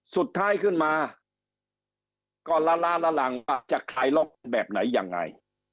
สุดท้ายขึ้นมาก็ละล้าละลังจะคลายล็อกแบบไหนยังไง